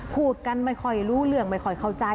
พูดกันไม่ค่อยรู้เรื่องไม่ค่อยเข้าใจ